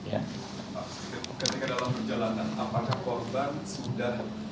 sesak nafas dan nangis